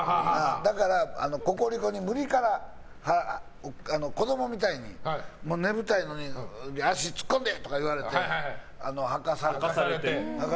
だからココリコに無理から子供みたいに眠たいのに足突っ込んでとか言われてはかされた。